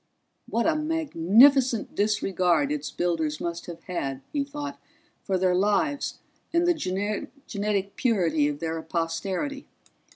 What a magnificent disregard its builders must have had, he thought, for their lives and the genetic purity of their posterity!